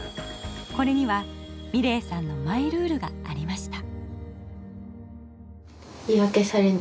これには美礼さんのマイルールがありました。